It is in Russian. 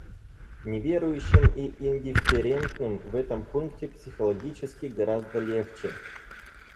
Неверующим и индифферентным в этом пункте психологически гораздо легче.